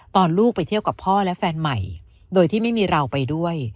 ลูกไปเที่ยวกับพ่อและแฟนใหม่โดยที่ไม่มีเราไปด้วย